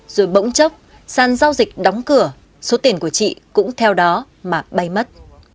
rồi bỗng chốc sàn giao dịch đóng cửa số tiền của chị cũng theo đó mà bay mất